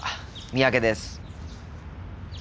三宅です。